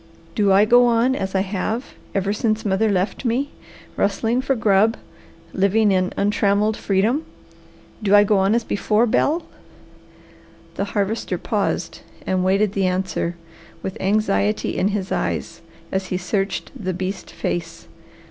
"Do I go on as I have ever since mother left me, rustling for grub, living in untrammelled freedom? Do I go on as before, Bel?" The Harvester paused and waited the answer, with anxiety in his eyes as he searched the beast face.